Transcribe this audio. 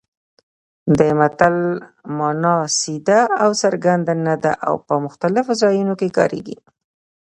د متل مانا سیده او څرګنده نه ده او په مختلفو ځایونو کې کارېږي